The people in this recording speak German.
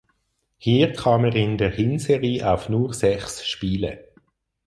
Hier kam er in der Hinserie auf nur sechs Spiele.